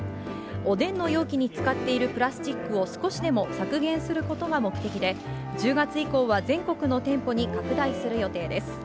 おでんの容器に使っているプラスチックを少しでも削減することが目的で、１０月以降は全国の店舗に拡大する予定です。